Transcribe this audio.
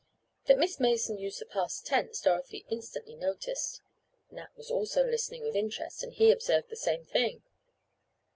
That Miss Mason used the past tense Dorothy instantly noticed. Nat was also listening with interest, and he observed the same thing.